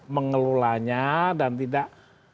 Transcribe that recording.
mengelolanya dan tidak